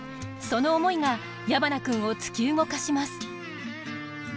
その思いが矢花君を突き動かします。